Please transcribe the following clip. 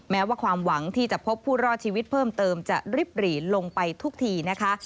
แม้ว่าความหวังที่จะพบผู้รอดชีวิตเพิ่มเติมจะริบหรี่ลงไปทุกทีนะคะ